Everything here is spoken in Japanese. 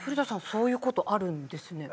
そういう事あるんですね？